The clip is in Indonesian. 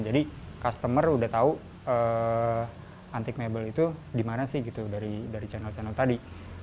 jadi customer udah tahu antik mebel itu dimana sih dari channel channel tadi